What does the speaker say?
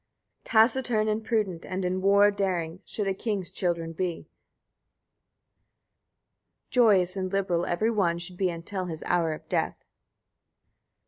15. Taciturn and prudent, and in war daring, should a king's children be; joyous and liberal every one should be until his hour of death.